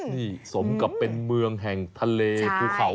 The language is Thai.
นี่สมกับเป็นเมืองแห่งทะเลภูเขา